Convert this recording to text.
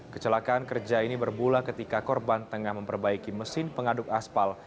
kecelakaan kerja ini bermula ketika korban tengah memperbaiki mesin pengaduk aspal